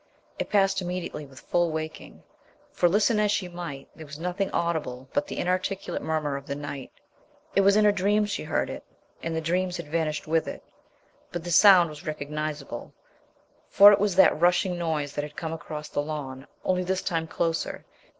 It passed immediately with full waking, for, listen as she might, there was nothing audible but the inarticulate murmur of the night. It was in her dreams she heard it, and the dreams had vanished with it. But the sound was recognizable, for it was that rushing noise that had come across the lawn; only this time closer.